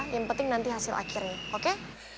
yang penting nanti hasil akhirnya oke